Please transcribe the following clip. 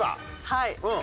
はい。